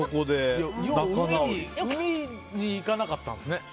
海に行かなかったんですね。